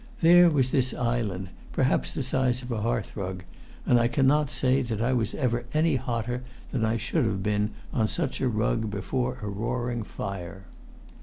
There was this island, perhaps the size of a hearth rug; and I cannot say that I was ever any hotter than I should have been on such a rug before a roaring fire.